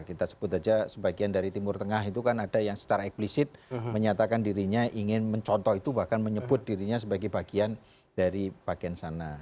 kita sebut saja sebagian dari timur tengah itu kan ada yang secara eksplisit menyatakan dirinya ingin mencontoh itu bahkan menyebut dirinya sebagai bagian dari bagian sana